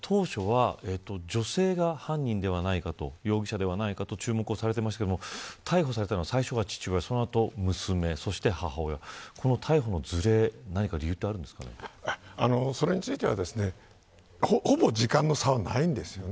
当初は女性が犯人ではないかと容疑者ではないかと注目されてましたが逮捕されたのは、最初が父親でその後に娘そして母親という逮捕のずれにほぼ時間の差はないんです。